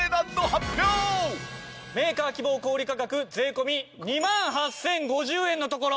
メーカー希望小売価格税込２万８０５０円のところ。